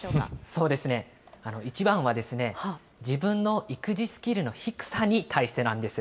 そうですね、一番は自分の育児スキルの低さに対してなんです。